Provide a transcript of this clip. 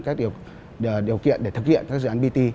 các điều kiện để thực hiện các dự án bt